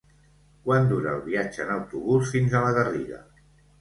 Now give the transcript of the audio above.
Quant dura el viatge en autobús fins a la Garriga?